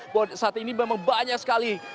bahwa saat ini memang banyak sekali